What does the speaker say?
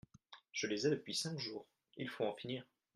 Je les ai depuis cinq jours… il faut en finir !